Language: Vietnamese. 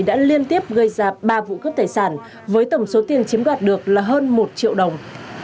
đã liên tiếp gây ra ba vụ cướp tài sản với tổng số tiền chiếm đoạt được là hơn một triệu đồng